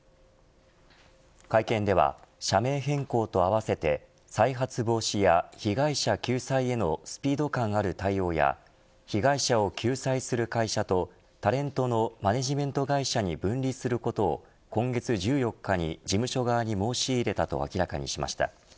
会見では、社名変更と併せて再発防止や被害者救済へのスピード感ある対応や被害者を救済する会社とタレントのマネジメント会社に分離することを今月１４日に事務所に申し入れたと明らかにしました。